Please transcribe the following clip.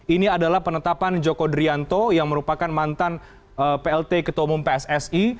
ini adalah penetapan joko drianto yang merupakan mantan plt ketua umum pssi